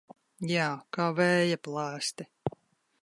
Jā, kā vēja plēsti.